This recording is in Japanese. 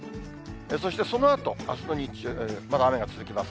そしてそのあと、あすの日中、まだ雨が続きます。